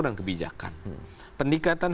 dan kebijakan pendekatan